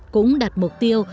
cũng đặt mục tiêu